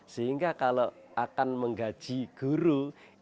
sehingga kalau akan menggaji guru itu nampaknya juga ya